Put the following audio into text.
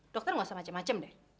dokter gak usah macem macem deh